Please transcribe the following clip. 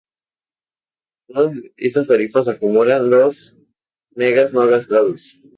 Todas estas tarifas acumulan los megas no gastados.